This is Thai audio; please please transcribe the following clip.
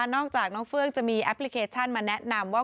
นอกจากน้องเฟิกจะมีแอปพลิเคชันมาแนะนำว่า